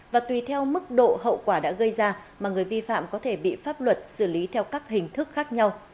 và tùy theo mức độ hậu quả đã gây ra mà người vi phạm có thể bị pháp luật xử lý theo các hình thức khác nhau